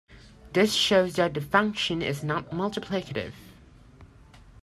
This shows that the function is not multiplicative.